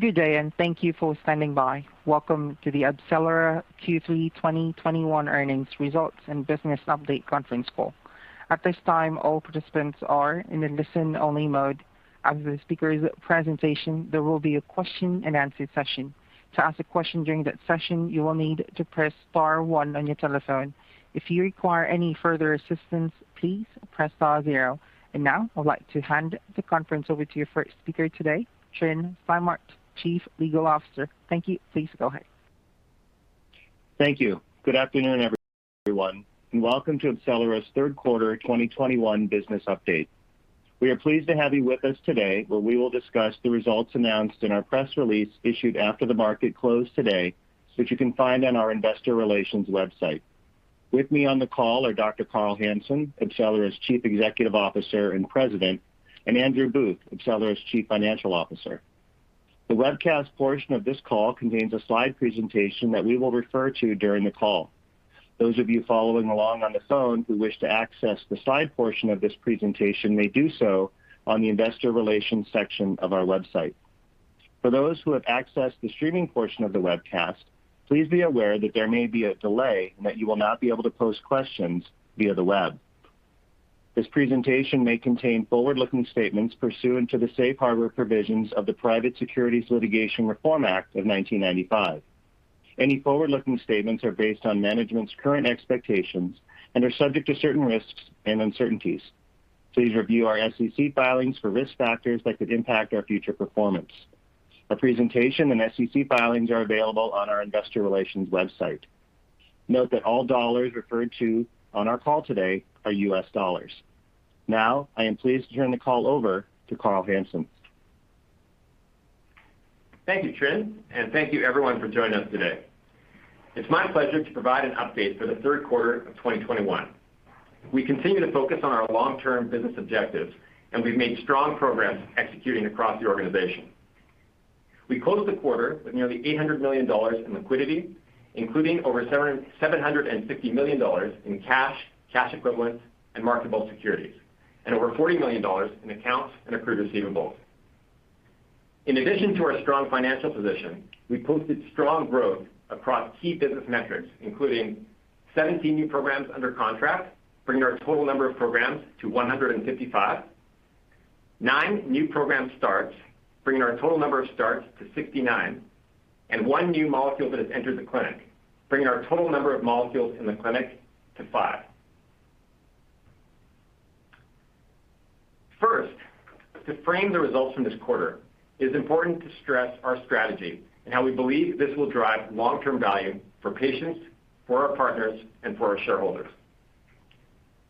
Good day, and thank you for standing by. Welcome to the AbCellera Q3 2021 earnings results and business update conference call. At this time, all participants are in a listen-only mode. After the speaker's presentation, there will be a question-and-answer session. To ask a question during that session, you will need to press star one on your telephone. If you require any further assistance, please press star zero. Now, I'd like to hand the conference over to your first speaker today, Tryn Stimart, Chief Legal Officer. Thank you. Please go ahead. Thank you. Good afternoon, everyone, and welcome to AbCellera's third quarter 2021 business update. We are pleased to have you with us today, where we will discuss the results announced in our press release issued after the market closed today, which you can find on our investor relations website. With me on the call are Dr. Carl Hansen, AbCellera's Chief Executive Officer and President, and Andrew Booth, AbCellera's Chief Financial Officer. The webcast portion of this call contains a slide presentation that we will refer to during the call. Those of you following along on the phone who wish to access the slide portion of this presentation may do so on the investor relations section of our website. For those who have accessed the streaming portion of the webcast, please be aware that there may be a delay and that you will not be able to pose questions via the web. This presentation may contain forward-looking statements pursuant to the Safe Harbor provisions of the Private Securities Litigation Reform Act of 1995. Any forward-looking statements are based on management's current expectations and are subject to certain risks and uncertainties. Please review our SEC filings for risk factors that could impact our future performance. Our presentation and SEC filings are available on our investor relations website. Note that all dollars referred to on our call today are U.S. dollars. Now, I am pleased to turn the call over to Carl Hansen. Thank you, Tryn, and thank you everyone for joining us today. It's my pleasure to provide an update for the third quarter of 2021. We continue to focus on our long-term business objectives, and we've made strong progress executing across the organization. We closed the quarter with nearly $800 million in liquidity, including over $750 million in cash equivalents, and marketable securities, and over $40 million in accounts and accrued receivables. In addition to our strong financial position, we posted strong growth across key business metrics, including 17 new programs under contract, bringing our total number of programs to 155, nine new program starts, bringing our total number of starts to 69, and one new molecule that has entered the clinic, bringing our total number of molecules in the clinic to five. First, to frame the results from this quarter, it is important to stress our strategy and how we believe this will drive long-term value for patients, for our partners, and for our shareholders.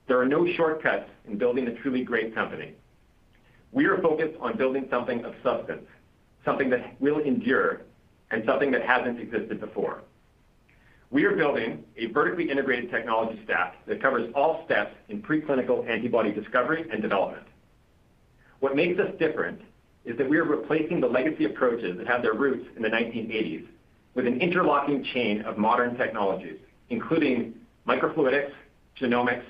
There are no shortcuts in building a truly great company. We are focused on building something of substance, something that will endure, and something that hasn't existed before. We are building a vertically integrated technology stack that covers all steps in preclinical antibody discovery and development. What makes us different is that we are replacing the legacy approaches that have their roots in the 1980s with an interlocking chain of modern technologies, including microfluidics, genomics,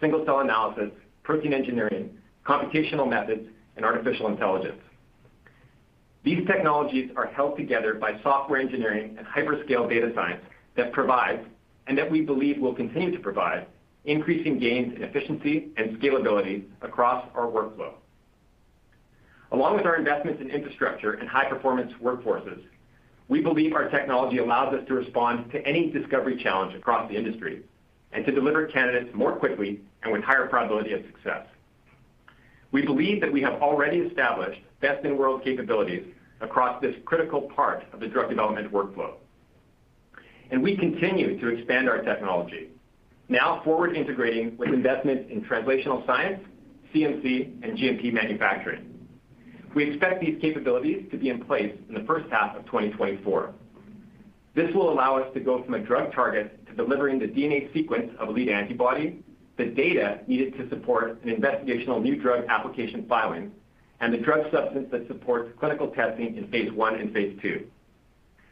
single-cell analysis, protein engineering, computational methods, and artificial intelligence. These technologies are held together by software engineering and hyperscale data science that provides, and that we believe will continue to provide, increasing gains in efficiency and scalability across our workflow. Along with our investments in infrastructure and high-performance workforces, we believe our technology allows us to respond to any discovery challenge across the industry and to deliver candidates more quickly and with higher probability of success. We believe that we have already established best-in-world capabilities across this critical part of the drug development workflow. We continue to expand our technology, now forward integrating with investments in translational science, CMC, and GMP manufacturing. We expect these capabilities to be in place in the first half of 2024. This will allow us to go from a drug target to delivering the DNA sequence of a lead antibody, the data needed to support an investigational new drug application filing, and the drug substance that supports clinical testing in phase I and phase II.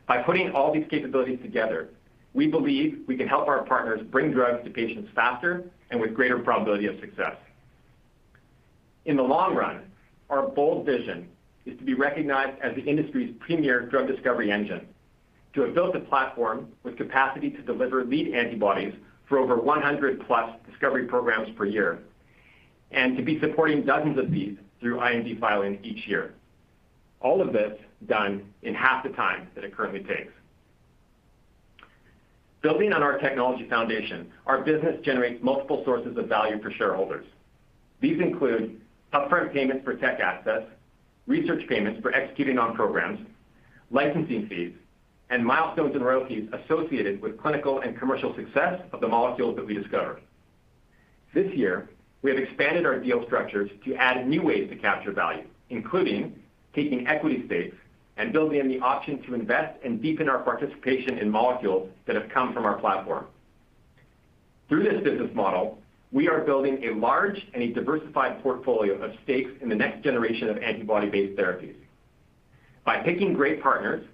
By putting all these capabilities together, we believe we can help our partners bring drugs to patients faster and with greater probability of success. In the long run, our bold vision is to be recognized as the industry's premier drug discovery engine, to have built a platform with capacity to deliver lead antibodies for over 100+ discovery programs per year, and to be supporting dozens of these through IND filings each year. All of this done in half the time that it currently takes. Building on our technology foundation, our business generates multiple sources of value for shareholders. These include upfront payments for tech assets, research payments for executing on programs, licensing fees, and milestones and royalty associated with clinical and commercial success of the molecules that we discover. This year, we have expanded our deal structures to add new ways to capture value, including taking equity stakes and building in the option to invest and deepen our participation in molecules that have come from our platform. Through this business model, we are building a large and a diversified portfolio of stakes in the next generation of antibody-based therapies. By picking great partners,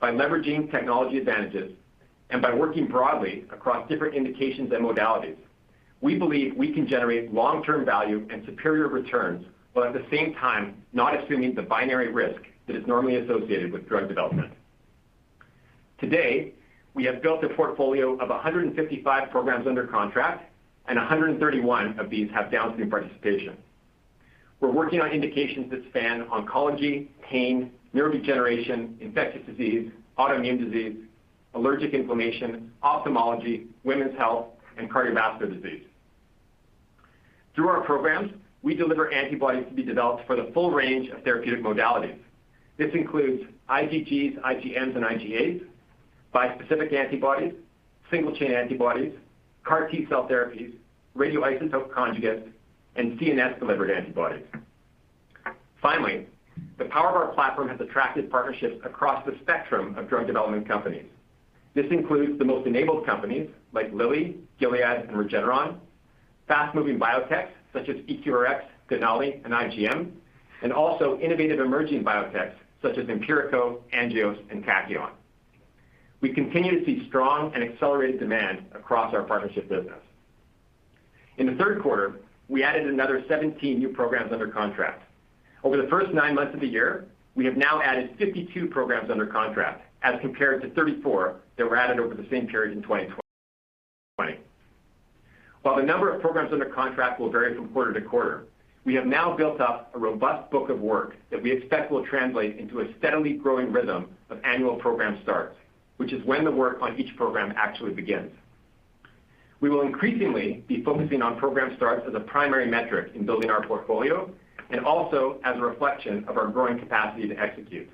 by leveraging technology advantages and by working broadly across different indications and modalities, we believe we can generate long-term value and superior returns, while at the same time not assuming the binary risk that is normally associated with drug development. Today, we have built a portfolio of 155 programs under contract, and 131 of these have downstream participation. We're working on indications that span oncology, pain, neurodegeneration, infectious disease, autoimmune disease, allergic inflammation, ophthalmology, women's health, and cardiovascular disease. Through our programs, we deliver antibodies to be developed for the full range of therapeutic modalities. This includes IgGs, IgMs, and IgAs, bispecific antibodies, single-chain antibodies, CAR T-cell therapies, radioisotope conjugates, and CNS-delivered antibodies. Finally, the power of our platform has attracted partnerships across the spectrum of drug development companies. This includes the most enabled companies like Lilly, Gilead, and Regeneron, fast-moving biotechs such as EQRx, Denali, and IGM, and also innovative emerging biotechs such as Empirico, Angios, and Capion. We continue to see strong and accelerated demand across our partnership business. In the third quarter, we added another 17 new programs under contract. Over the first nine months of the year, we have now added 52 programs under contract as compared to 34 that were added over the same period in 2020. While the number of programs under contract will vary from quarter to quarter, we have now built up a robust book of work that we expect will translate into a steadily growing rhythm of annual program starts, which is when the work on each program actually begins. We will increasingly be focusing on program starts as a primary metric in building our portfolio and also as a reflection of our growing capacity to execute.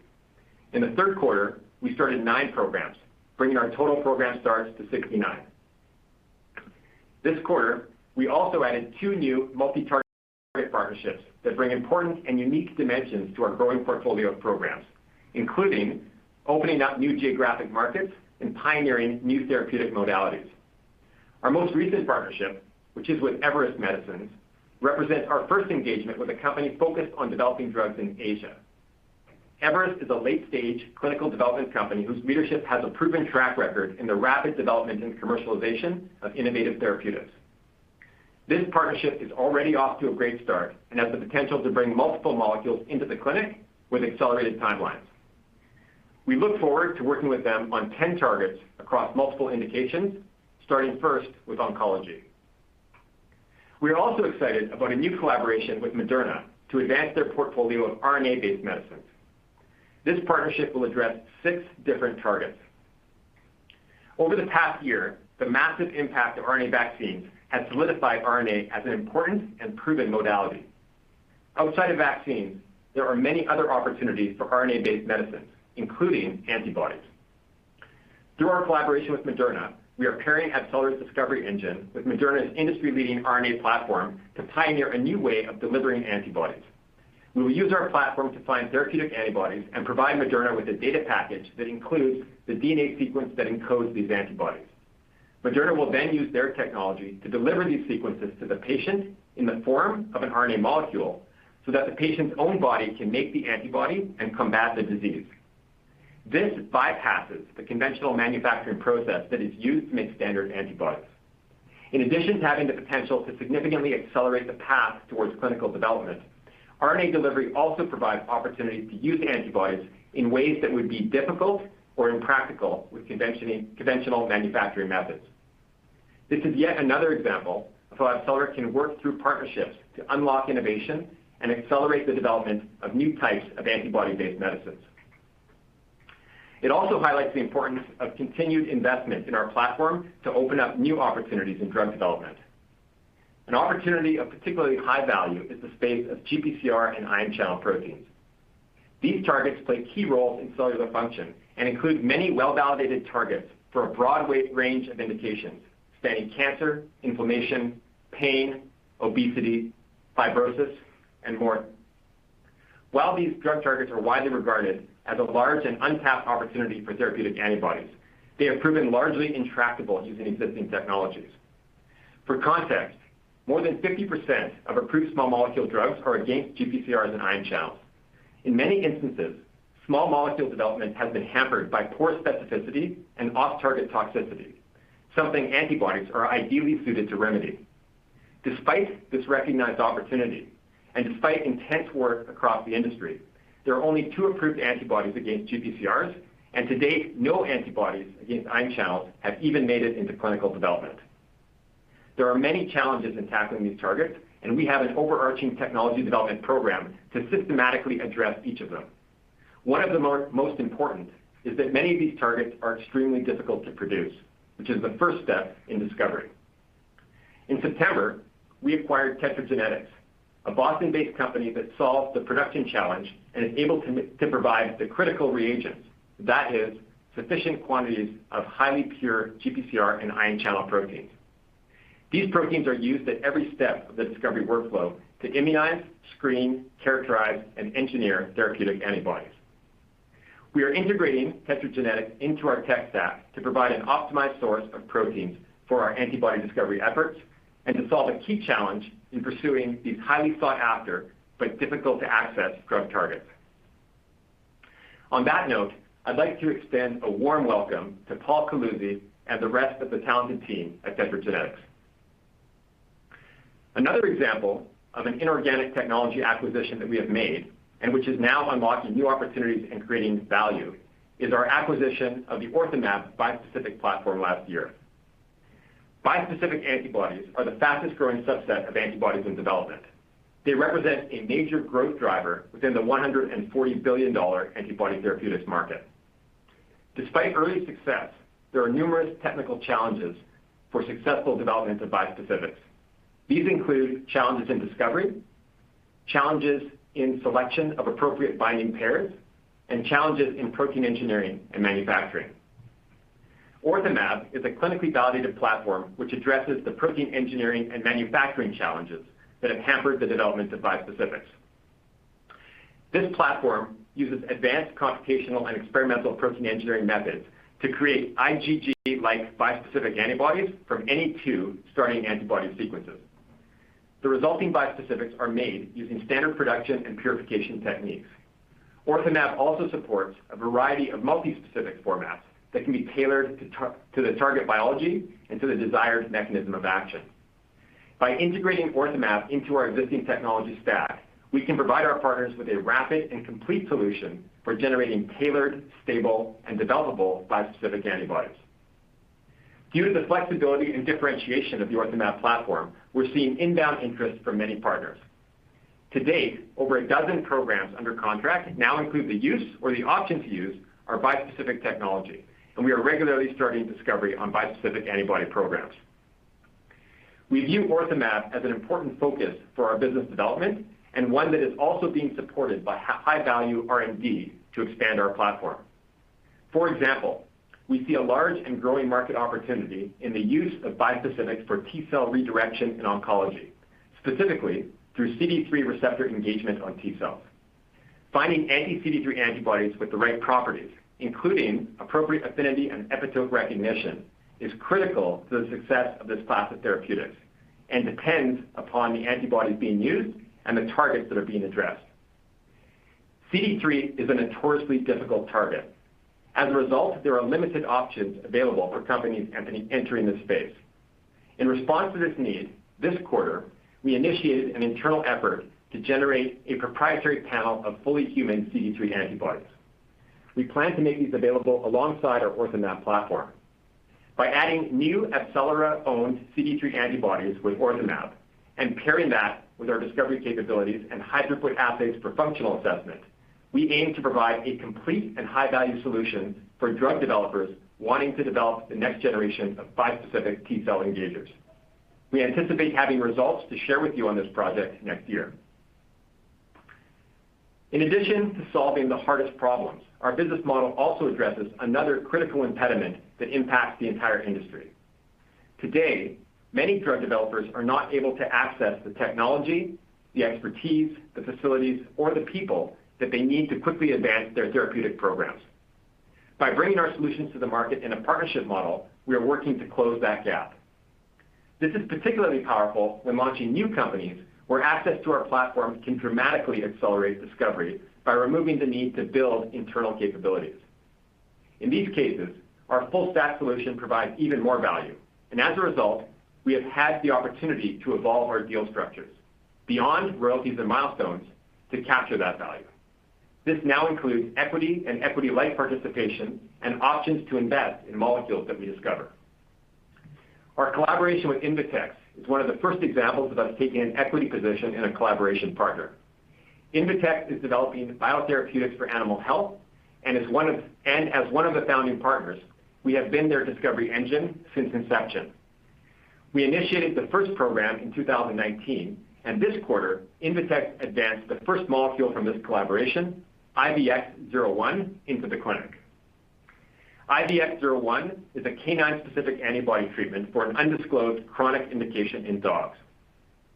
In the third quarter, we started nine programs, bringing our total program starts to 69. This quarter, we also added two new multi-target partnerships that bring important and unique dimensions to our growing portfolio of programs, including opening up new geographic markets and pioneering new therapeutic modalities. Our most recent partnership, which is with Everest Medicines, represents our first engagement with a company focused on developing drugs in Asia. Everest is a late-stage clinical development company whose leadership has a proven track record in the rapid development and commercialization of innovative therapeutics. This partnership is already off to a great start and has the potential to bring multiple molecules into the clinic with accelerated timelines. We look forward to working with them on 10 targets across multiple indications, starting first with oncology. We are also excited about a new collaboration with Moderna to advance their portfolio of RNA-based medicines. This partnership will address six different targets. Over the past year, the massive impact of RNA vaccines has solidified RNA as an important and proven modality. Outside of vaccines, there are many other opportunities for RNA-based medicines, including antibodies. Through our collaboration with Moderna, we are pairing AbCellera's discovery engine with Moderna's industry-leading RNA platform to pioneer a new way of delivering antibodies. We will use our platform to find therapeutic antibodies and provide Moderna with a data package that includes the DNA sequence that encodes these antibodies. Moderna will then use their technology to deliver these sequences to the patient in the form of an RNA molecule so that the patient's own body can make the antibody and combat the disease. This bypasses the conventional manufacturing process that is used to make standard antibodies. In addition to having the potential to significantly accelerate the path towards clinical development, RNA delivery also provides opportunities to use antibodies in ways that would be difficult or impractical with conventional manufacturing methods. This is yet another example of how AbCellera can work through partnerships to unlock innovation and accelerate the development of new types of antibody-based medicines. It also highlights the importance of continued investment in our platform to open up new opportunities in drug development. An opportunity of particularly high value is the space of GPCR and ion channel proteins. These targets play key roles in cellular function and include many well-validated targets for a broad range of indications spanning cancer, inflammation, pain, obesity, fibrosis, and more. While these drug targets are widely regarded as a large and untapped opportunity for therapeutic antibodies, they have proven largely intractable using existing technologies. For context, more than 50% of approved small molecule drugs are against GPCRs and ion channels. In many instances, small molecule development has been hampered by poor specificity and off-target toxicity, something antibodies are ideally suited to remedy. Despite this recognized opportunity and despite intense work across the industry, there are only two approved antibodies against GPCRs, and to date, no antibodies against ion channels have even made it into clinical development. There are many challenges in tackling these targets, and we have an overarching technology development program to systematically address each of them. One of the most important is that many of these targets are extremely difficult to produce, which is the first step in discovery. In September, we acquired TetraGenetics, a Boston-based company that solves the production challenge and is able to provide the critical reagents, that is sufficient quantities of highly pure GPCR and ion channel proteins. These proteins are used at every step of the discovery workflow to immunize, screen, characterize, and engineer therapeutic antibodies. We are integrating TetraGenetics into our tech stack to provide an optimized source of proteins for our antibody discovery efforts. To solve a key challenge in pursuing these highly sought after but difficult to access drug targets. On that note, I'd like to extend a warm welcome to Paul Bhatt and the rest of the talented team at TetraGenetics. Another example of an inorganic technology acquisition that we have made, and which is now unlocking new opportunities and creating value, is our acquisition of the OrthoMab bispecific platform last year. Bispecific antibodies are the fastest growing subset of antibodies in development. They represent a major growth driver within the $140 billion antibody therapeutics market. Despite early success, there are numerous technical challenges for successful development of bispecifics. These include challenges in discovery, challenges in selection of appropriate binding pairs, and challenges in protein engineering and manufacturing. OrthoMab is a clinically validated platform which addresses the protein engineering and manufacturing challenges that have hampered the development of bispecifics. This platform uses advanced computational and experimental protein engineering methods to create IgG-like bispecific antibodies from any two starting antibody sequences. The resulting bispecifics are made using standard production and purification techniques. OrthoMab also supports a variety of multispecific formats that can be tailored to the target biology and to the desired mechanism of action. By integrating OrthoMab into our existing technology stack, we can provide our partners with a rapid and complete solution for generating tailored, stable and developable bispecific antibodies. Due to the flexibility and differentiation of the OrthoMab platform, we're seeing inbound interest from many partners. To date, over a dozen programs under contract now include the use or the option to use our bispecific technology, and we are regularly starting discovery on bispecific antibody programs. We view OrthoMab as an important focus for our business development and one that is also being supported by high value R&D to expand our platform. For example, we see a large and growing market opportunity in the use of bispecifics for T-cell redirection in oncology, specifically through CD3 receptor engagement on T-cells. Finding anti-CD3 antibodies with the right properties, including appropriate affinity and epitope recognition, is critical to the success of this class of therapeutics and depends upon the antibodies being used and the targets that are being addressed. CD3 is a notoriously difficult target. As a result, there are limited options available for companies entering this space. In response to this need, this quarter, we initiated an internal effort to generate a proprietary panel of fully human CD3 antibodies. We plan to make these available alongside our OrthoMab platform. By adding new AbCellera-owned CD3 antibodies with OrthoMab and pairing that with our discovery capabilities and high-throughput assays for functional assessment, we aim to provide a complete and high-value solution for drug developers wanting to develop the next generation of bispecific T-cell engagers. We anticipate having results to share with you on this project next year. In addition to solving the hardest problems, our business model also addresses another critical impediment that impacts the entire industry. Today, many drug developers are not able to access the technology, the expertise, the facilities, or the people that they need to quickly advance their therapeutic programs. By bringing our solutions to the market in a partnership model, we are working to close that gap. This is particularly powerful when launching new companies, where access to our platform can dramatically accelerate discovery by removing the need to build internal capabilities. In these cases, our full stack solution provides even more value, and as a result, we have had the opportunity to evolve our deal structures beyond royalties and milestones to capture that value. This now includes equity and equity-like participation and options to invest in molecules that we discover. Our collaboration with Invetx is one of the first examples of us taking an equity position in a collaboration partner. Invetx is developing biotherapeutics for animal health and is one of the founding partners. We have been their discovery engine since inception. We initiated the first program in 2019, and this quarter, Invetx advanced the first molecule from this collaboration, IVX01, into the clinic. IVX01 is a canine-specific antibody treatment for an undisclosed chronic indication in dogs.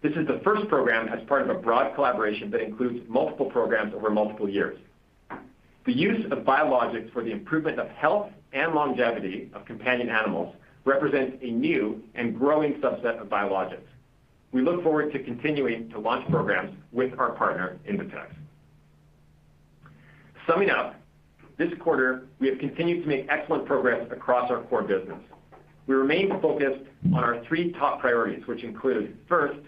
This is the first program as part of a broad collaboration that includes multiple programs over multiple years. The use of biologics for the improvement of health and longevity of companion animals represents a new and growing subset of biologics. We look forward to continuing to launch programs with our partner, Invetx. Summing up, this quarter, we have continued to make excellent progress across our core business. We remain focused on our three top priorities, which include, first,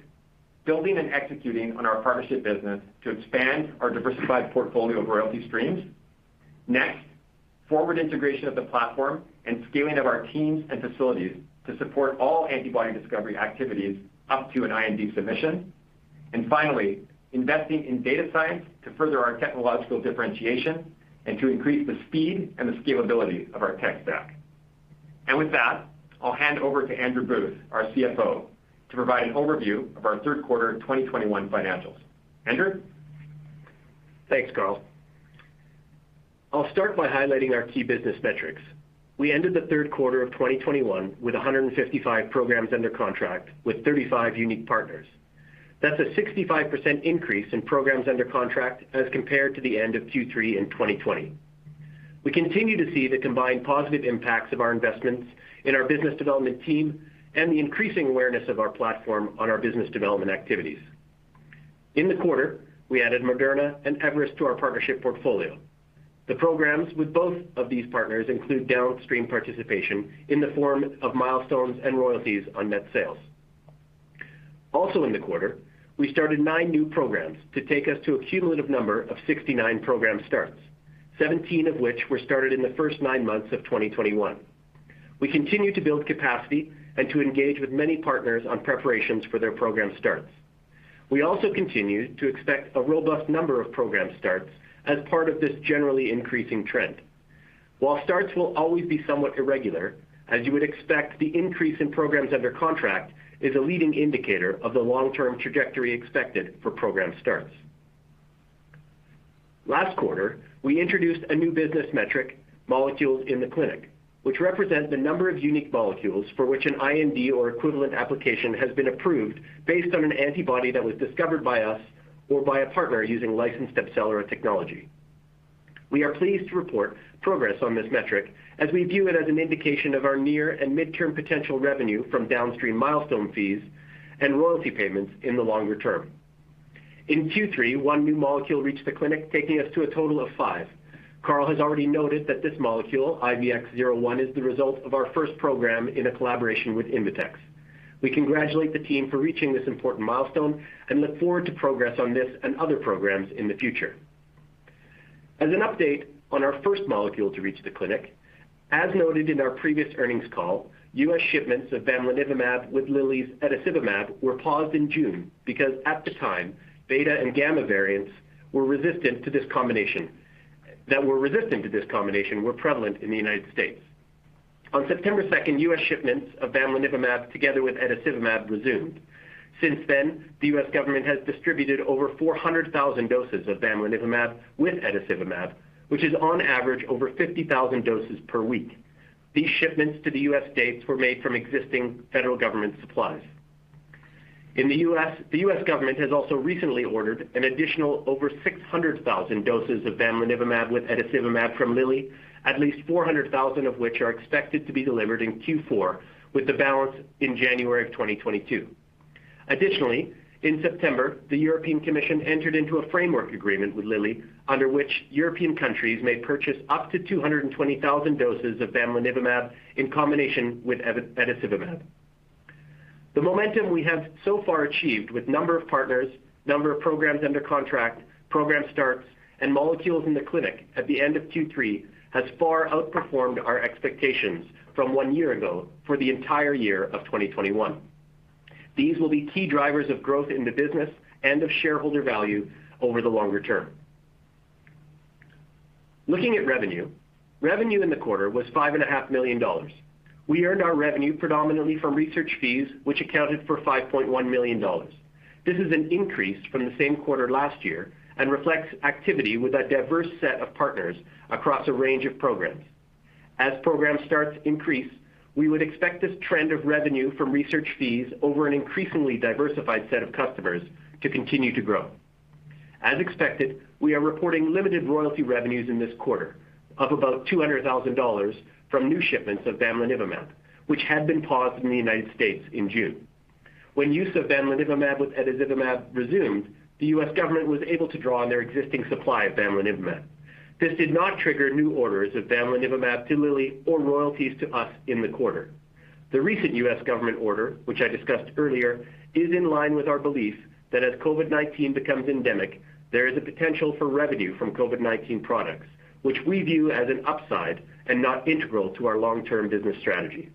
building and executing on our partnership business to expand our diversified portfolio of royalty streams. Next, forward integration of the platform and scaling of our teams and facilities to support all antibody discovery activities up to an IND submission. Finally, investing in data science to further our technological differentiation and to increase the speed and the scalability of our tech stack. With that, I'll hand over to Andrew Booth, our CFO, to provide an overview of our third quarter of 2021 financials. Andrew? Thanks, Carl. I'll start by highlighting our key business metrics. We ended the third quarter of 2021 with 155 programs under contract with 35 unique partners. That's a 65% increase in programs under contract as compared to the end of Q3 in 2020. We continue to see the combined positive impacts of our investments in our business development team and the increasing awareness of our platform on our business development activities. In the quarter, we added Moderna and Everest to our partnership portfolio. The programs with both of these partners include downstream participation in the form of milestones and royalties on net sales. Also in the quarter, we started nine new programs to take us to a cumulative number of 69 program starts, 17 of which were started in the first nine months of 2021. We continue to build capacity and to engage with many partners on preparations for their program starts. We also continue to expect a robust number of program starts as part of this generally increasing trend. While starts will always be somewhat irregular, as you would expect, the increase in programs under contract is a leading indicator of the long-term trajectory expected for program starts. Last quarter, we introduced a new business metric, Molecules in the Clinic, which represents the number of unique molecules for which an IND or equivalent application has been approved based on an antibody that was discovered by us or by a partner using licensed AbCellera technology. We are pleased to report progress on this metric as we view it as an indication of our near and mid-term potential revenue from downstream milestone fees and royalty payments in the longer term. In Q3, one new molecule reached the clinic, taking us to a total of five. Carl has already noted that this molecule, IVX01, is the result of our first program in a collaboration with Invetx. We congratulate the team for reaching this important milestone and look forward to progress on this and other programs in the future. As an update on our first molecule to reach the clinic, as noted in our previous earnings call, U.S. shipments of bamlanivimab with Lilly's etesevimab were paused in June because at the time, Beta and Gamma variants that were resistant to this combination were prevalent in the United States. On September 2, U.S. shipments of bamlanivimab together with etesevimab resumed. Since then, the U.S. government has distributed over 400,000 doses of bamlanivimab with etesevimab, which is on average over 50,000 doses per week. These shipments to the U.S. states were made from existing federal government supplies. In the U.S., the U.S. government has also recently ordered an additional over 600,000 doses of bamlanivimab with etesevimab from Lilly, at least 400,000 of which are expected to be delivered in Q4, with the balance in January 2022. Additionally, in September, the European Commission entered into a framework agreement with Lilly under which European countries may purchase up to 220,000 doses of bamlanivimab in combination with etesevimab. The momentum we have so far achieved with number of partners, number of programs under contract, program starts, and molecules in the clinic at the end of Q3 has far outperformed our expectations from one year ago for the entire year of 2021. These will be key drivers of growth in the business and of shareholder value over the longer term. Looking at revenue in the quarter was $5.5 million. We earned our revenue predominantly from research fees, which accounted for $5.1 million. This is an increase from the same quarter last year and reflects activity with a diverse set of partners across a range of programs. As program starts increase, we would expect this trend of revenue from research fees over an increasingly diversified set of customers to continue to grow. As expected, we are reporting limited royalty revenues in this quarter of about $200,000 from new shipments of bamlanivimab, which had been paused in the United States in June. When use of bamlanivimab with etesevimab resumed, the U.S. government was able to draw on their existing supply of bamlanivimab. This did not trigger new orders of bamlanivimab to Lilly or royalties to us in the quarter. The recent U.S. government order, which I discussed earlier, is in line with our belief that as COVID-19 becomes endemic, there is a potential for revenue from COVID-19 products, which we view as an upside and not integral to our long-term business strategy.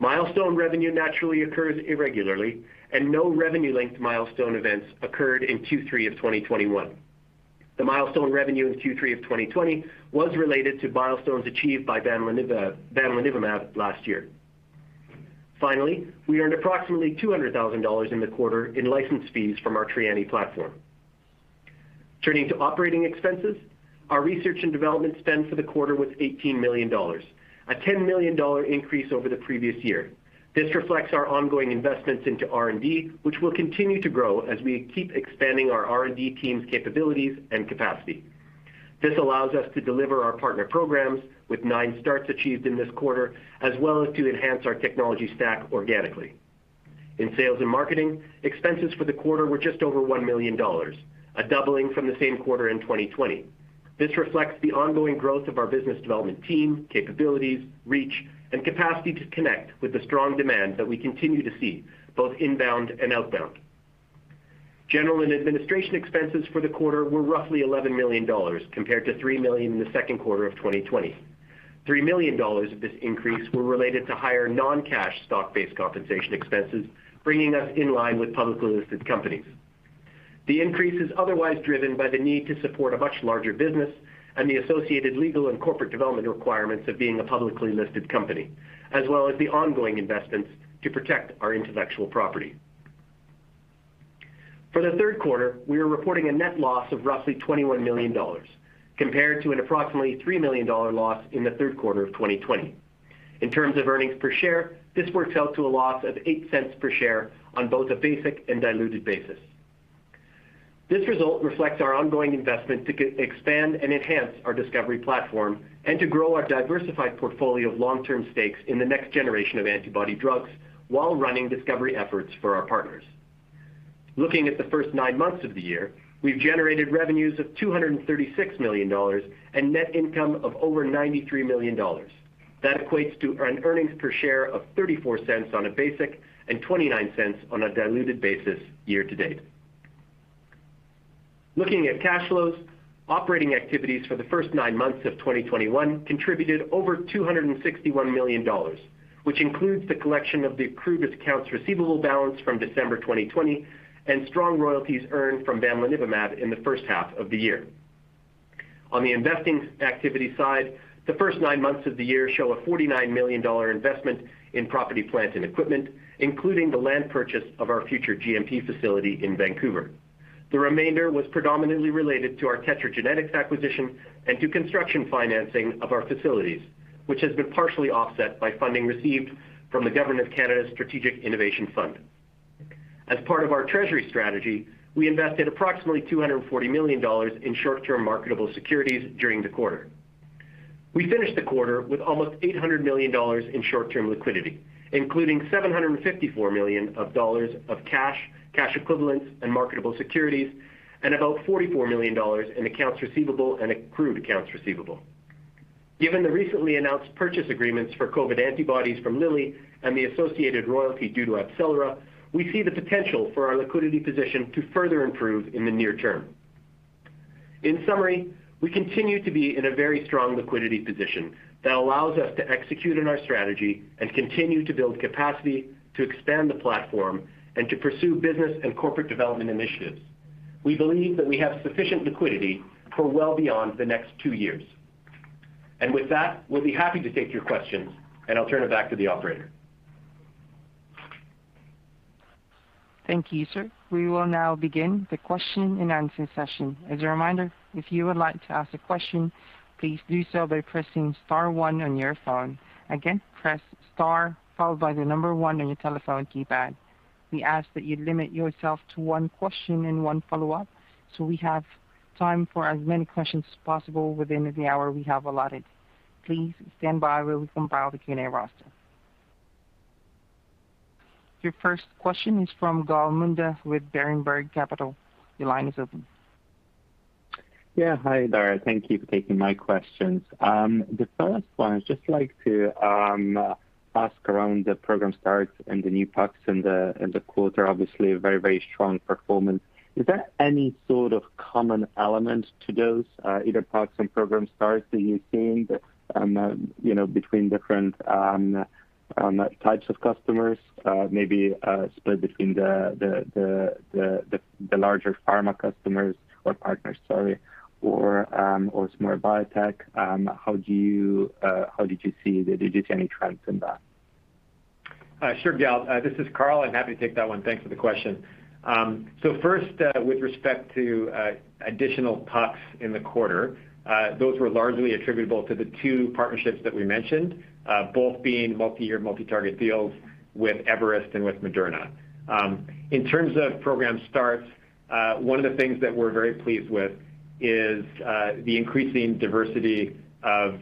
Milestone revenue naturally occurs irregularly, and no revenue-linked milestone events occurred in Q3 of 2021. The milestone revenue in Q3 of 2020 was related to milestones achieved by bamlanivimab last year. Finally, we earned approximately $200,000 in the quarter in license fees from our Trianni platform. Turning to operating expenses, our research and development spend for the quarter was $18 million, a $10 million increase over the previous year. This reflects our ongoing investments into R&D, which will continue to grow as we keep expanding our R&D team's capabilities and capacity. This allows us to deliver our partner programs with 9 starts achieved in this quarter, as well as to enhance our technology stack organically. In sales and marketing, expenses for the quarter were just over $1 million, a doubling from the same quarter in 2020. This reflects the ongoing growth of our business development team, capabilities, reach, and capacity to connect with the strong demand that we continue to see, both inbound and outbound. General and administration expenses for the quarter were roughly $11 million, compared to $3 million in the second quarter of 2020. $3 million of this increase were related to higher non-cash stock-based compensation expenses, bringing us in line with publicly listed companies. The increase is otherwise driven by the need to support a much larger business and the associated legal and corporate development requirements of being a publicly listed company, as well as the ongoing investments to protect our intellectual property. For the third quarter, we are reporting a net loss of roughly $21 million, compared to an approximately $3 million loss in the third quarter of 2020. In terms of earnings per share, this works out to a loss of $0.08 per share on both a basic and diluted basis. This result reflects our ongoing investment to expand and enhance our discovery platform and to grow our diversified portfolio of long-term stakes in the next generation of antibody drugs while running discovery efforts for our partners. Looking at the first nine months of the year, we've generated revenues of $236 million and net income of over $93 million. That equates to an earnings per share of $0.34 on a basic and $0.29 on a diluted basis year to date. Looking at cash flows, operating activities for the first nine months of 2021 contributed over $261 million, which includes the collection of the accrued accounts receivable balance from December 2020 and strong royalties earned from bamlanivimab in the first half of the year. On the investing activity side, the first nine months of the year show a $49 million investment in property, plant, and equipment, including the land purchase of our future GMP facility in Vancouver. The remainder was predominantly related to our TetraGenetics acquisition and to construction financing of our facilities, which has been partially offset by funding received from the Government of Canada Strategic Innovation Fund. As part of our treasury strategy, we invested approximately $240 million in short-term marketable securities during the quarter. We finished the quarter with almost $800 million in short-term liquidity, including $754 million of cash equivalents, and marketable securities, and about $44 million in accounts receivable and accrued accounts receivable. Given the recently announced purchase agreements for COVID antibodies from Lilly and the associated royalty due to AbCellera, we see the potential for our liquidity position to further improve in the near term. In summary, we continue to be in a very strong liquidity position that allows us to execute on our strategy and continue to build capacity to expand the platform and to pursue business and corporate development initiatives. We believe that we have sufficient liquidity for well beyond the next two years. With that, we'll be happy to take your questions, and I'll turn it back to the operator. Thank you, sir. We will now begin the question and answer session. As a reminder, if you would like to ask a question, please do so by pressing star one on your phone. Again, press star followed by the number one on your telephone keypad. We ask that you limit yourself to one question and one follow-up so we have time for as many questions as possible within the hour we have allotted. Please stand by while we compile the Q&A roster. Your first question is from Gal Munda with Berenberg Capital Markets. Your line is open. Yeah. Hi, Dara. Thank you for taking my questions. The first one is just like to ask around the program starts and the new pucks in the quarter, obviously a very, very strong performance. Is there any sort of common element to those either pucks and program starts that you're seeing that you know between different types of customers maybe split between the larger pharma customers or partners, sorry, or small biotech? Did you see any trends in that? Sure, Gal. This is Carl. I'm happy to take that one. Thanks for the question. First, with respect to additional pucks in the quarter, those were largely attributable to the two partnerships that we mentioned, both being multi-year, multi-target deals with Everest and with Moderna. In terms of program starts, one of the things that we're very pleased with is the increasing diversity of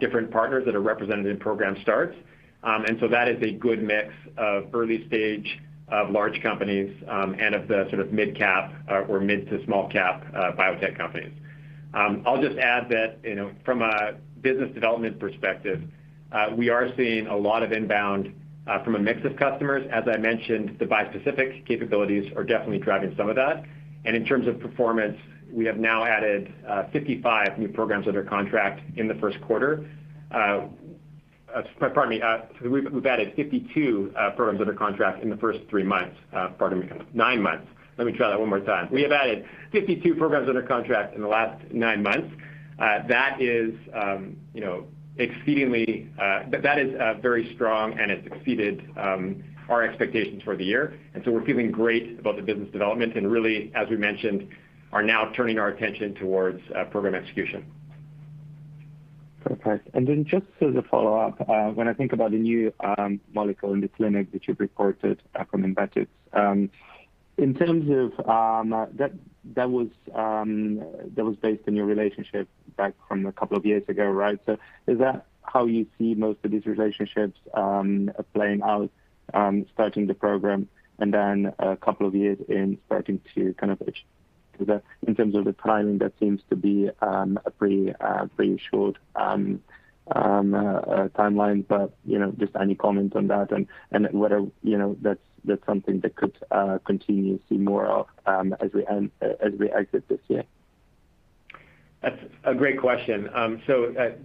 different partners that are represented in program starts. That is a good mix of early stage, of large companies, and of the sort of mid cap or mid to small cap biotech companies. I'll just add that, you know, from a business development perspective, we are seeing a lot of inbound from a mix of customers. As I mentioned, the bispecific capabilities are definitely driving some of that. In terms of performance, we have now added 52 programs under contract in the last nine months. That is, you know, very strong, and it's exceeded our expectations for the year. We're feeling great about the business development, and really, as we mentioned, are now turning our attention towards program execution. Perfect. Just as a follow-up, when I think about the new molecule in the clinic that you've reported from Invetx, in terms of, that was based on your relationship back from a couple of years ago, right? Is that how you see most of these relationships playing out, starting the program and then a couple of years in starting to kind of exit? Because in terms of the timing, that seems to be a pretty short timeline. You know, just any comment on that and whether that's something that could continue to see more of as we exit this year. That's a great question.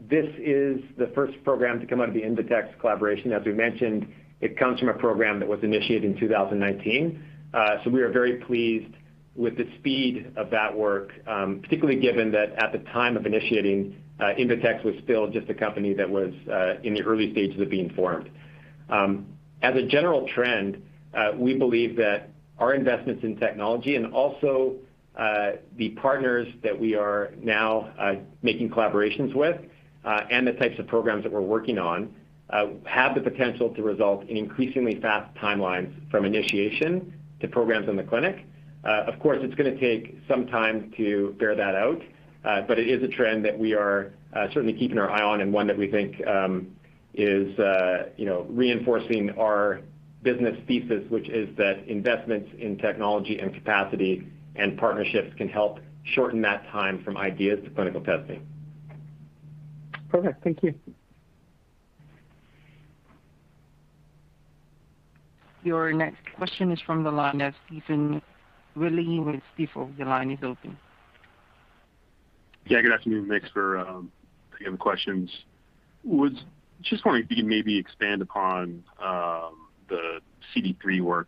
This is the first program to come out of the Invetx collaboration. As we mentioned, it comes from a program that was initiated in 2019. We are very pleased with the speed of that work, particularly given that at the time of initiating, Invetx was still just a company that was in the early stages of being formed. As a general trend, we believe that our investments in technology and also, the partners that we are now making collaborations with, and the types of programs that we're working on, have the potential to result in increasingly fast timelines from initiation to programs in the clinic. Of course, it's gonna take some time to bear that out, but it is a trend that we are certainly keeping an eye on and one that we think, you know, reinforcing our business thesis, which is that investments in technology and capacity and partnerships can help shorten that time from ideas to clinical testing. Okay, thank you. Your next question is from the line of Stephen Willey with Stifel. Your line is open. Yeah, good afternoon. Thanks for taking the questions. Just wondering if you can maybe expand upon the CD3 work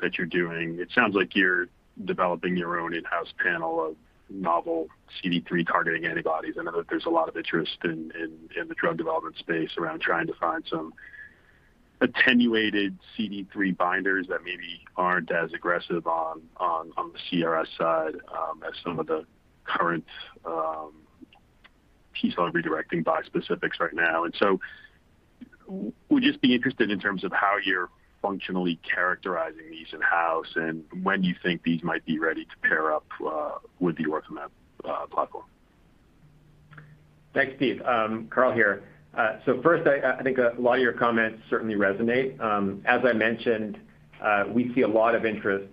that you're doing. It sounds like you're developing your own in-house panel of novel CD3 targeting antibodies. I know that there's a lot of interest in the drug development space around trying to find some attenuated CD3 binders that maybe aren't as aggressive on the CRS side as some of the current T-cell redirecting bispecifics right now. We'd just be interested in terms of how you're functionally characterizing these in-house and when you think these might be ready to pair up with the OrthoMab platform. Thanks, Steve. Carl here. First, I think a lot of your comments certainly resonate. As I mentioned, we see a lot of interest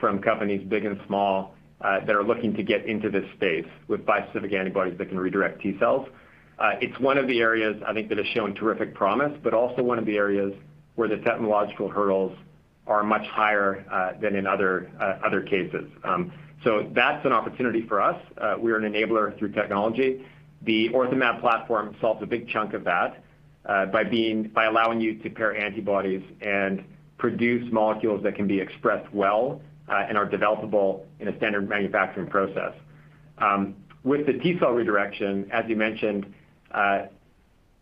from companies big and small that are looking to get into this space with bispecific antibodies that can redirect T-cells. It's one of the areas I think that has shown terrific promise, but also one of the areas where the technological hurdles are much higher than in other cases. That's an opportunity for us. We're an enabler through technology. The OrthoMab platform solves a big chunk of that by allowing you to pair antibodies and produce molecules that can be expressed well and are developable in a standard manufacturing process. With the T-cell redirection, as you mentioned,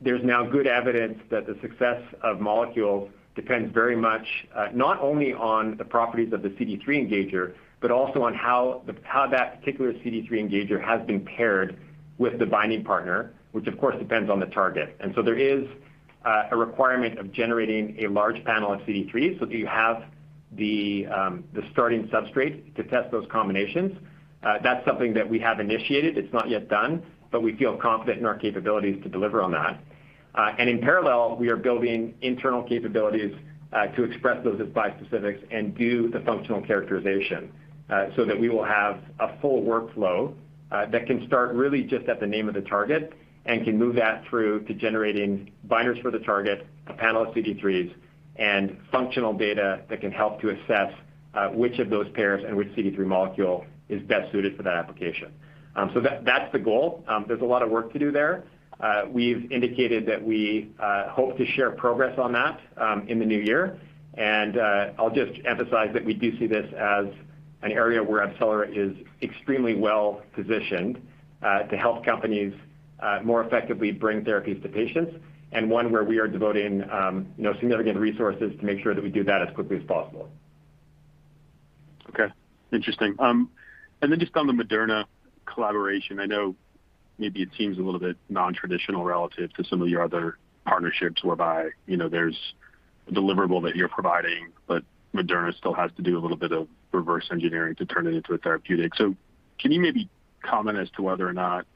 there's now good evidence that the success of molecules depends very much, not only on the properties of the CD3 engager, but also on how that particular CD3 engager has been paired with the binding partner, which of course depends on the target. There is a requirement of generating a large panel of CD3, so that you have the starting substrate to test those combinations. That's something that we have initiated. It's not yet done, but we feel confident in our capabilities to deliver on that. In parallel, we are building internal capabilities to express those as bispecifics and do the functional characterization so that we will have a full workflow that can start really just at the name of the target and can move that through to generating binders for the target, a panel of CD3s, and functional data that can help to assess which of those pairs and which CD3 molecule is best suited for that application. That's the goal. There's a lot of work to do there. We've indicated that we hope to share progress on that in the new year. I'll just emphasize that we do see this as an area where AbCellera is extremely well positioned to help companies more effectively bring therapies to patients, and one where we are devoting, you know, significant resources to make sure that we do that as quickly as possible. Okay. Interesting. Just on the Moderna collaboration, I know maybe it seems a little bit nontraditional relative to some of your other partnerships whereby, you know, there's a deliverable that you're providing, but Moderna still has to do a little bit of reverse engineering to turn it into a therapeutic. Can you maybe comment as to whether or not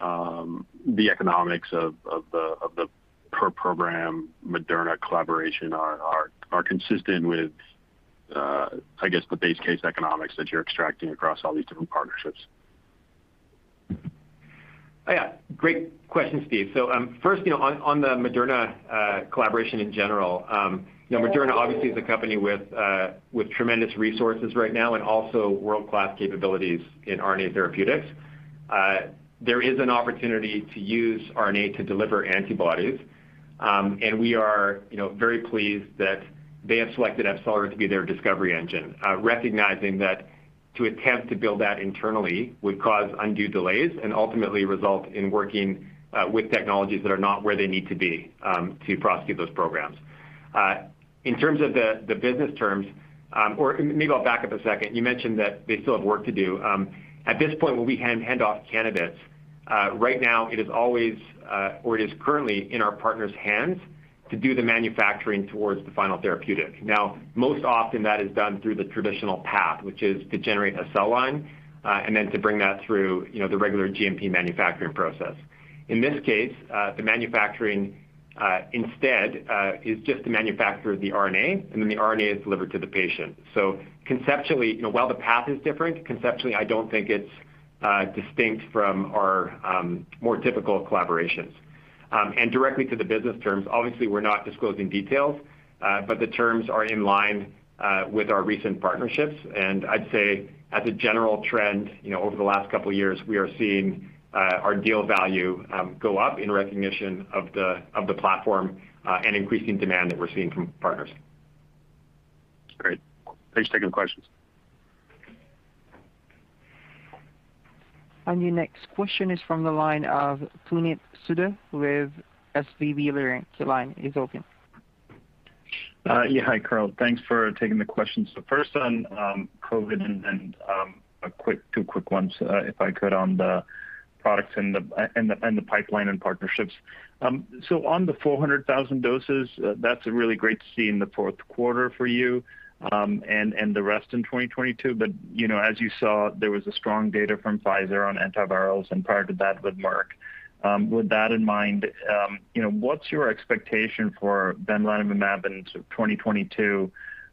the economics of the per program Moderna collaboration are consistent with I guess the base case economics that you're extracting across all these different partnerships? Yeah. Great question, Steve. First, you know, on the Moderna collaboration in general, you know, Moderna obviously is a company with tremendous resources right now and also world-class capabilities in RNA therapeutics. There is an opportunity to use RNA to deliver antibodies. We are, you know, very pleased that they have selected AbCellera to be their discovery engine, recognizing that to attempt to build that internally would cause undue delays and ultimately result in working with technologies that are not where they need to be to prosecute those programs. In terms of the business terms, or maybe I'll back up a second. You mentioned that they still have work to do. At this point when we hand off candidates, right now it is currently in our partner's hands to do the manufacturing toward the final therapeutic. Now, most often that is done through the traditional path, which is to generate a cell line and then to bring that through, you know, the regular GMP manufacturing process. In this case, the manufacturing, instead, is just to manufacture the RNA, and then the RNA is delivered to the patient. Conceptually, you know, while the path is different, conceptually I don't think it's distinct from our more typical collaborations. Directly to the business terms, obviously, we're not disclosing details, but the terms are in line with our recent partnerships. I'd say as a general trend, you know, over the last couple of years, we are seeing our deal value go up in recognition of the platform and increasing demand that we're seeing from partners. Great. Thanks for taking the questions. Your next question is from the line of Puneet Souda with SVB Leerink. The line is open. Hi, Carl. Thanks for taking the questions. First on COVID and then two quick ones, if I could, on the products and the pipeline and partnerships. On the 400,000 doses, that's really great to see in the fourth quarter for you, and the rest in 2022. You know, as you saw, there was strong data from Pfizer on antivirals and prior to that with Merck. With that in mind, you know, what's your expectation for bamlanivimab into 2022?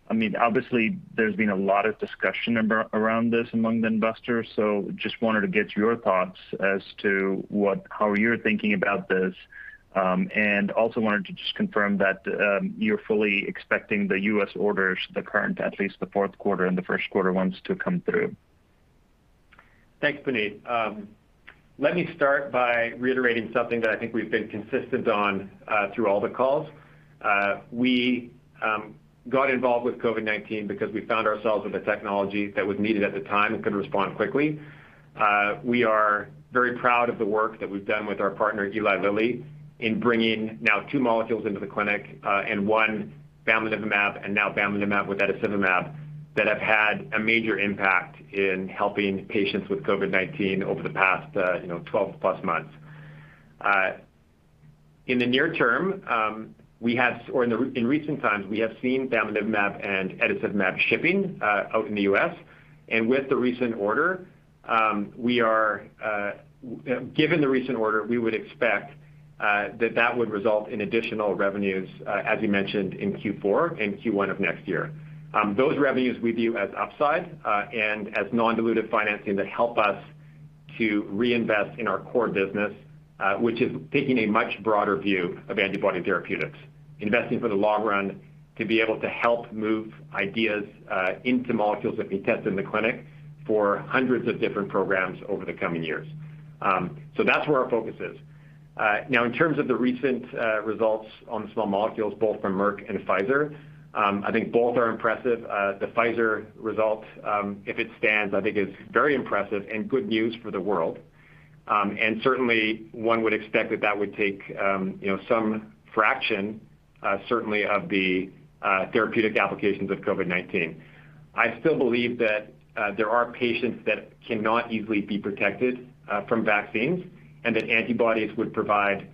I mean, obviously there's been a lot of discussion around this among investors, so just wanted to get your thoughts as to how you're thinking about this. Also wanted to just confirm that, you're fully expecting the U.S. orders, the current, at least the fourth quarter and the first quarter ones, to come through. Thanks, Puneet. Let me start by reiterating something that I think we've been consistent on through all the calls. We got involved with COVID-19 because we found ourselves with a technology that was needed at the time and could respond quickly. We are very proud of the work that we've done with our partner, Eli Lilly, in bringing now two molecules into the clinic, and one bamlanivimab and now bamlanivimab with etesevimab, that have had a major impact in helping patients with COVID-19 over the past, you know, 12-plus months. In recent times, we have seen bamlanivimab and etesevimab shipping out in the U.S. Given the recent order, we would expect that would result in additional revenues, as you mentioned, in Q4 and Q1 of next year. Those revenues we view as upside, and as non-dilutive financing that help us to reinvest in our core business, which is taking a much broader view of antibody therapeutics, investing for the long run to be able to help move ideas into molecules that we test in the clinic for hundreds of different programs over the coming years. That's where our focus is. Now in terms of the recent results on small molecules, both from Merck and Pfizer, I think both are impressive. The Pfizer result, if it stands, I think is very impressive and good news for the world. Certainly one would expect that would take, you know, some fraction, certainly of the therapeutic applications of COVID-19. I still believe that there are patients that cannot easily be protected from vaccines, and that antibodies would provide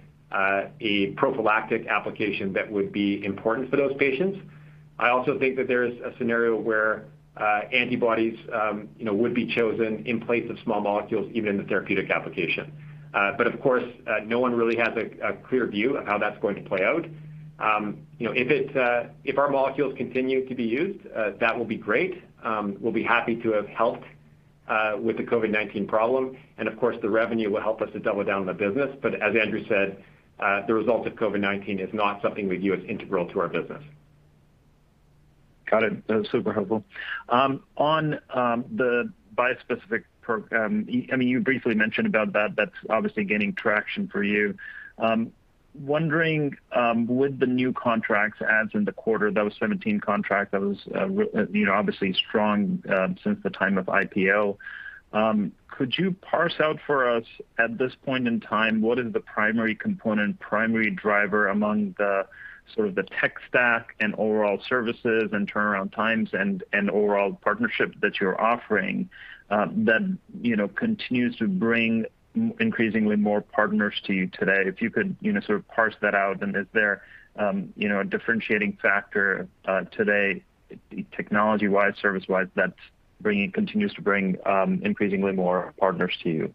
a prophylactic application that would be important for those patients. I also think that there is a scenario where antibodies, you know, would be chosen in place of small molecules, even in the therapeutic application. Of course, no one really has a clear view of how that's going to play out. You know, if our molecules continue to be used, that will be great. We'll be happy to have helped with the COVID-19 problem. Of course, the revenue will help us to double down on the business. As Andrew said, the results of COVID-19 is not something we view as integral to our business. Got it. That was super helpful. On the bispecific. I mean, you briefly mentioned about that. That's obviously gaining traction for you. Wondering with the new contracts adds in the quarter, that was 17 contracts, that was, you know, obviously strong since the time of IPO. Could you parse out for us at this point in time, what is the primary component, primary driver among the sort of the tech stack and overall services and turnaround times and overall partnership that you're offering, that, you know, continues to bring increasingly more partners to you today? If you could, you know, sort of parse that out. Is there, you know, a differentiating factor today technology-wise, service-wise, that's continues to bring increasingly more partners to you?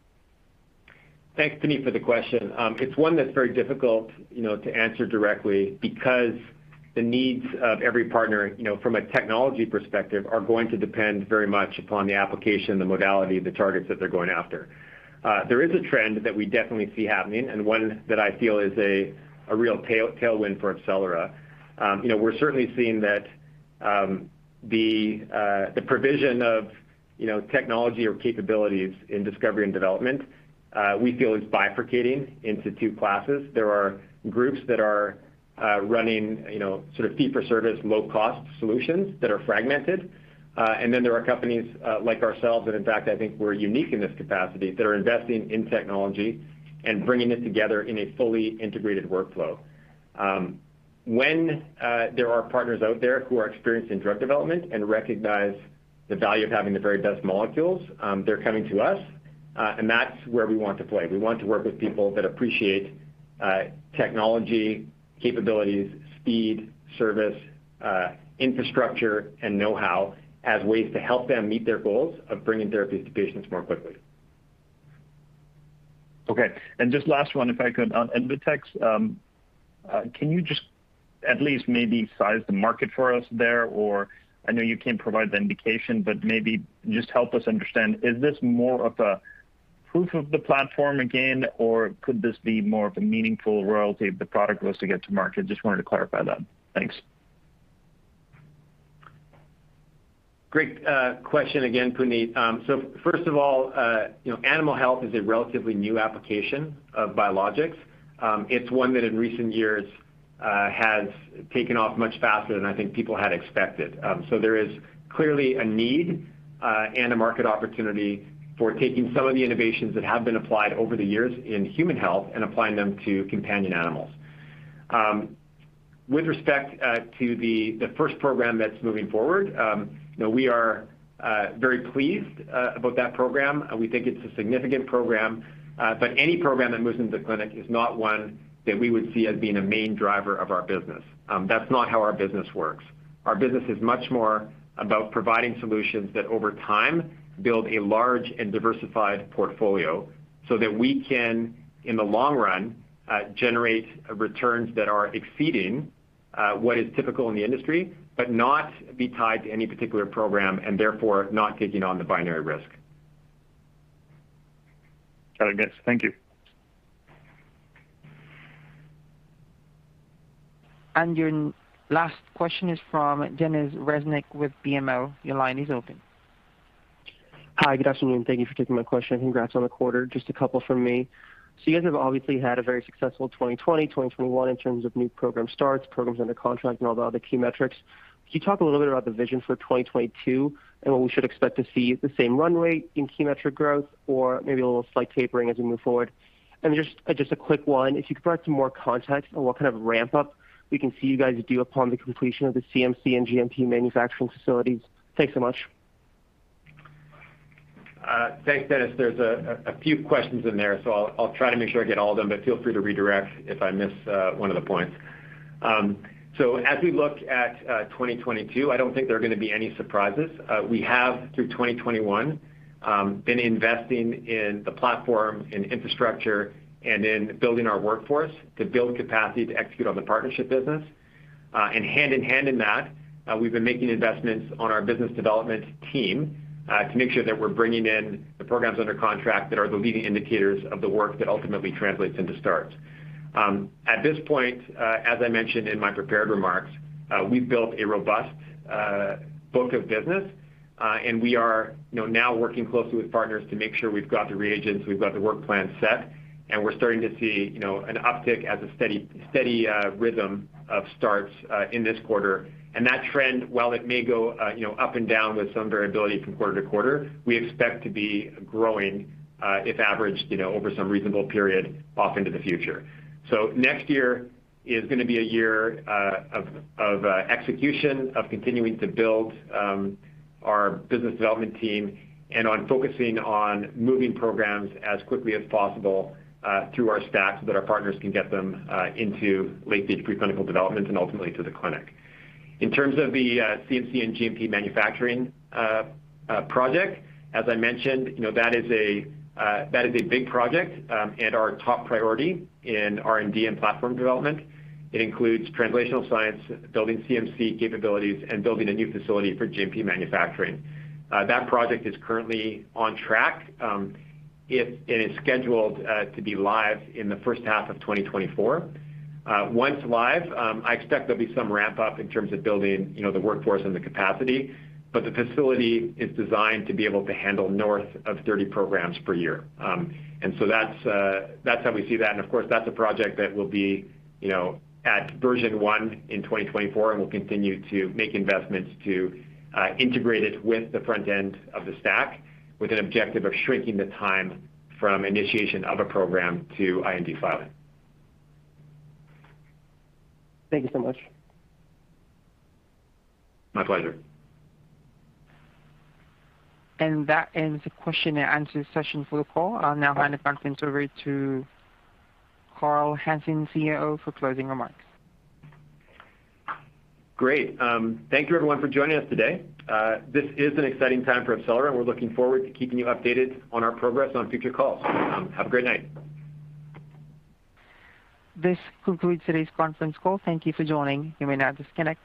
Thanks, Puneet, for the question. It's one that's very difficult, you know, to answer directly because the needs of every partner, you know, from a technology perspective, are going to depend very much upon the application, the modality, the targets that they're going after. There is a trend that we definitely see happening and one that I feel is a real tailwind for AbCellera. You know, we're certainly seeing that, the provision of, you know, technology or capabilities in discovery and development, we feel is bifurcating into two classes. There are groups that are running, you know, sort of fee-for-service, low-cost solutions that are fragmented. And then there are companies like ourselves, and in fact, I think we're unique in this capacity, that are investing in technology and bringing it together in a fully integrated workflow. When there are partners out there who are experienced in drug development and recognize the value of having the very best molecules, they're coming to us, and that's where we want to play. We want to work with people that appreciate technology, capabilities, speed, service, infrastructure, and know-how as ways to help them meet their goals of bringing therapies to patients more quickly. Okay. Just last one, if I could. On Invetx, can you just at least maybe size the market for us there? Or I know you can't provide the indication, but maybe just help us understand, is this more of a proof of the platform again, or could this be more of a meaningful royalty if the product was to get to market? Just wanted to clarify that. Thanks. Great question again, Puneet. So first of all, you know, animal health is a relatively new application of biologics. It's one that in recent years has taken off much faster than I think people had expected. So there is clearly a need and a market opportunity for taking some of the innovations that have been applied over the years in human health and applying them to companion animals. With respect to the first program that's moving forward, you know, we are very pleased about that program. We think it's a significant program. But any program that moves into the clinic is not one that we would see as being a main driver of our business. That's not how our business works. Our business is much more about providing solutions that over time build a large and diversified portfolio so that we can, in the long run, generate returns that are exceeding what is typical in the industry, but not be tied to any particular program and therefore not taking on the binary risk. Got it, Nick. Thank you. Your last question is from Denis Reznik with BMO. Your line is open. Hi. Good afternoon. Thank you for taking my question. Congrats on the quarter. Just a couple from me. You guys have obviously had a very successful 2020, 2021 in terms of new program starts, programs under contract and all the other key metrics. Can you talk a little bit about the vision for 2022 and what we should expect to see, the same runway in key metric growth or maybe a little slight tapering as we move forward? Just a quick one. If you could provide some more context on what kind of ramp up we can see you guys do upon the completion of the CMC and GMP manufacturing facilities? Thanks so much. Thanks, Denis. There's a few questions in there, so I'll try to make sure I get all of them, but feel free to redirect if I miss one of the points. As we look at 2022, I don't think there are gonna be any surprises. We have through 2021 been investing in the platform and infrastructure and in building our workforce to build capacity to execute on the partnership business. Hand in hand in that, we've been making investments on our business development team to make sure that we're bringing in the programs under contract that are the leading indicators of the work that ultimately translates into starts. At this point, as I mentioned in my prepared remarks, we've built a robust book of business, and we are, you know, now working closely with partners to make sure we've got the reagents, we've got the work plan set, and we're starting to see, you know, an uptick as a steady rhythm of starts in this quarter. That trend, while it may go, you know, up and down with some variability from quarter to quarter, we expect to be growing, if averaged, you know, over some reasonable period off into the future. Next year is gonna be a year of execution of continuing to build our business development team and on focusing on moving programs as quickly as possible through our stack so that our partners can get them into late-stage preclinical development and ultimately to the clinic. In terms of the CMC and GMP manufacturing project, as I mentioned, you know, that is a big project and our top priority in R&D and platform development. It includes translational science, building CMC capabilities, and building a new facility for GMP manufacturing. That project is currently on track. It is scheduled to be live in the first half of 2024. Once live, I expect there'll be some ramp up in terms of building, you know, the workforce and the capacity, but the facility is designed to be able to handle north of 30 programs per year. That's how we see that and of course, that's a project that will be, you know, at version one in 2024, and we'll continue to make investments to integrate it with the front end of the stack with an objective of shrinking the time from initiation of a program to IND filing. Thank you so much. My pleasure. That ends the question and answer session for the call. I'll now hand the conference over to Carl Hansen, CEO, for closing remarks. Great. Thank you everyone for joining us today. This is an exciting time for AbCellera, and we're looking forward to keeping you updated on our progress on future calls. Have a great night. This concludes today's conference call. Thank you for joining. You may now disconnect.